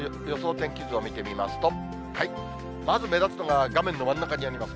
天気図を見てみますと、まず目立つのが、画面の真ん中にあります